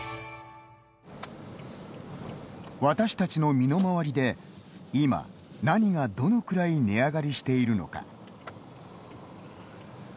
私たちの身の回りで今、何がどのくらい値上がりしているのか。